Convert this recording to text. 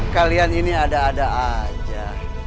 kalian ini ada ada aja